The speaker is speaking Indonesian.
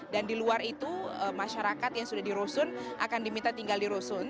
dan di luar itu masyarakat yang sudah dirusun akan diminta tinggal dirusun